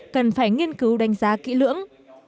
cần phải nghiên cứu đánh giá kỹ lưỡng